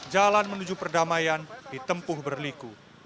jalan menuju perdamaian ditempuh berliku